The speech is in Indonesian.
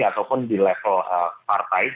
ataupun di level partai